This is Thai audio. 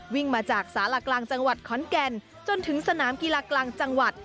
วิ่งมาจากสารากลางจังหวัดขอนแก่นจนถึงสนามกีฬากลางจังหวัด